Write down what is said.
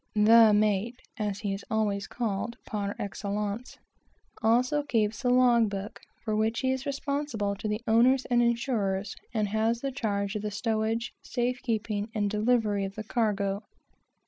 The mate (as he is always called, par excellence) also keeps the log book, for which he is responsible to the owners and insurers, and has the charge of the stowage, safe keeping, and delivery of the cargo.